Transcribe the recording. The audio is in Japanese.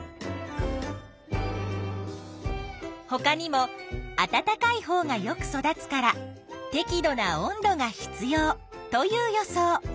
ほかにも「あたたかいほうがよく育つからてき度な温度が必要」という予想。